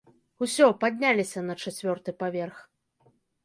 Усё, падняліся на чацвёрты паверх.